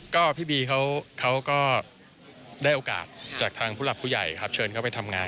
ก็พี่บีเขาก็ได้โอกาสจากทางผู้หลักผู้ใหญ่ครับเชิญเขาไปทำงาน